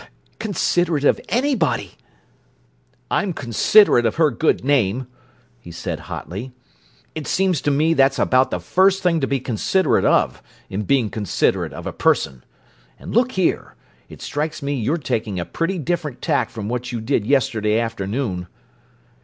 Considerate of anybody!" "I'm considerate of her good name!" he said hotly. "It seems to me that's about the first thing to be considerate of, in being considerate of a person! And look here: it strikes me you're taking a pretty different tack from what you did yesterday afternoon!"